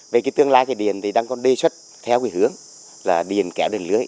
về cái tương lai thì điện thì đang có đề xuất theo cái hướng là điện kéo đến lưới